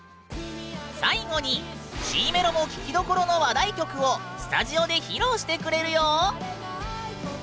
最後にＣメロも聴きどころの話題曲をスタジオで披露してくれるよ！